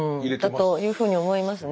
だというふうに思いますね。